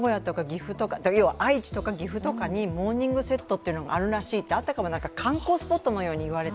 愛知とか岐阜とかにモーニングセットっていうのがあるらしいってあたかも観光スポットみたいに言われて。